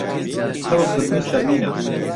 خڕ و خرپن و شهرمینه